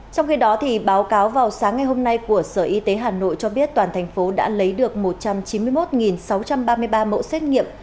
trong khi đó báo cáo vào sáng ngày hôm nay của sở y tế hà nội cho biết toàn thành phố đã lấy được một trăm chín mươi một sáu trăm ba mươi ba mẫu xét nghiệm